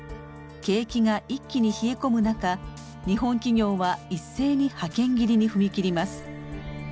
景気が一気に冷え込む中日本企業は一斉に派遣切りに踏み切ります。